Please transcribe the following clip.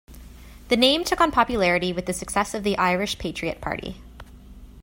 The name took on popularity with the success of the Irish Patriot Party.